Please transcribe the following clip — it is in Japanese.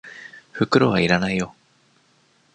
袋は要らないよ。